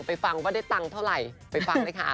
ฟังว่าได้ตังค์เท่าไหร่ไปฟังเลยค่ะ